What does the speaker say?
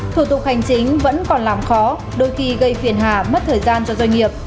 thủ tục hành chính vẫn còn làm khó đôi khi gây phiền hà mất thời gian cho doanh nghiệp